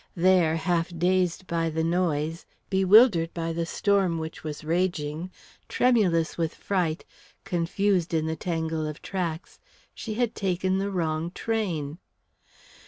There, half dazed by the noise, bewildered by the storm which was raging, tremulous with fright, confused in the tangle of tracks, she had taken the wrong train.